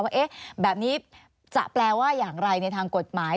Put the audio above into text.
ว่าแบบนี้จะแปลว่าอย่างไรในทางกฎหมาย